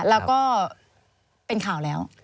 แล้วก็เป็นข่าวแล้ว